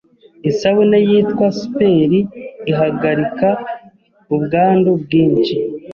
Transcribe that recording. Isabune yitwa superi ihagarika ubwandu bwinshi